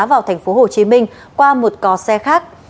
vào tp hcm qua một cò xe khác